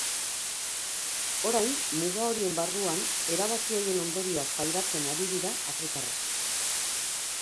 Orain muga horien barruan erabaki haien ondorioak pairatzen ari dira afrikarrak.